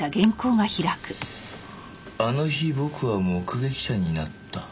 「あの日僕は目撃者になった」